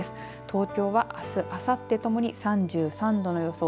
東京は、あすあさってともに３３度の予想。